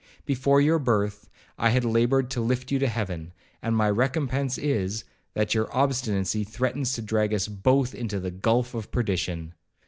Before your birth I had laboured to lift you to heaven, and my recompence is, that your obstinacy threatens to drag us both into the gulph of perdition.